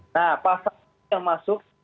nah pasal ini yang masuk